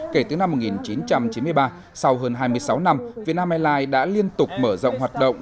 kể từ năm một nghìn chín trăm chín mươi ba sau hơn hai mươi sáu năm việt nam airlines đã liên tục mở rộng hoạt động